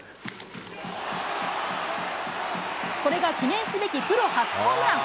これが記念すべきプロ初ホームラン。